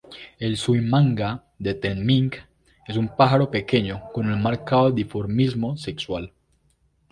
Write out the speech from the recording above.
El suimanga de Temminck es un pájaro pequeño con un marcado dimorfismo sexual.